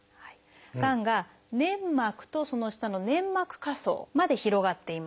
がんが粘膜とその下の粘膜下層まで広がっています。